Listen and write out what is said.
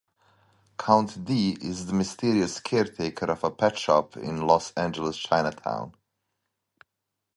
"Count D" is the mysterious caretaker of a pet shop in Los Angeles Chinatown.